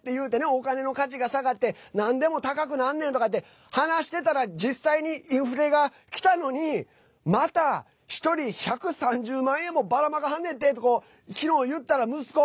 お金の価値が下がってなんでも高くなんねんとかって話してたら実際に、インフレがきたのにまた１人１３０万円もばらまかはんねんて！って昨日、言ったら息子。